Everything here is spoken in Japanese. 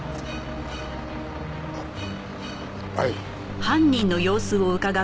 あっはい。